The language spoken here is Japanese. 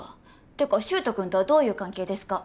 ってか柊人君とはどういう関係ですか？